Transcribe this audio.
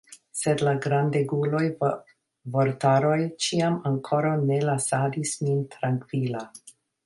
Sed la grandegulaj vortaroj ĉiam ankoraŭ ne lasadis min trankvila.